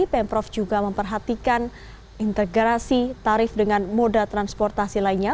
pemprov juga memperhatikan integrasi tarif dengan moda transportasi lainnya